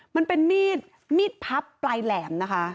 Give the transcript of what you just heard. มันเป็นมีดมีดพับปลายแหลมนะคะ